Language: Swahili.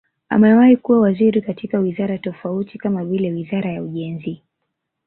Amewahi kuwa waziri katika wizara tofauti kama vile Wizara ya Ujenzi